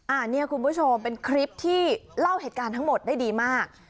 อันนี้คุณผู้ชมเป็นคลิปที่เล่าเหตุการณ์ทั้งหมดได้ดีมาก